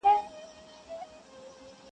غټ منګول تېره مشوکه په کارېږي--!